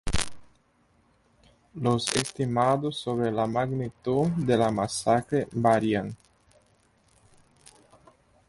Los estimados sobre la magnitud de la masacre varían.